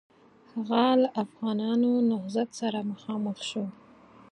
هغه له افغانانو نهضت سره مخامخ شو.